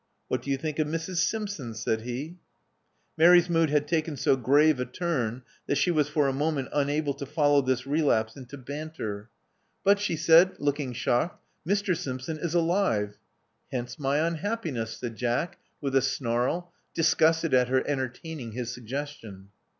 "What do you think of Mrs. Simpson?" said he. Mary's mood had taken so grave a turn that she was for a moment unable to follow this relapse into banter. 262 Love Among the Artists Miit/*she said, looking shocked, '*Mr. Simpson is alive." IIcncc my imhappiness. '* said Jack, with a snarl, disj^^ustcd at her entertaining his suggestion.